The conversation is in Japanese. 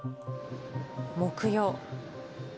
木曜。